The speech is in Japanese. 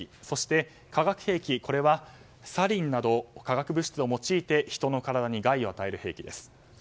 そして化学兵器はサリンなど化学物質を用いて人の体に害を与える兵器です。